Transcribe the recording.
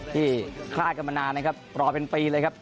คลาดกันมานานนะครับรอเป็นปีเลยครับ